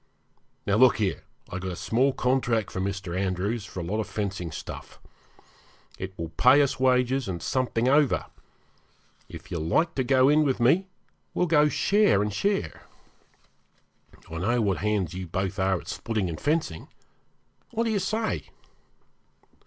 Now, look here, I've got a small contract from Mr. Andrews for a lot of fencing stuff. It will pay us wages and something over. If you like to go in with me, we'll go share and share. I know what hands you both are at splitting and fencing. What do you say?'